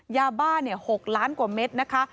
ยาบ้า๖ล้านกว่าเม็ดนะคะ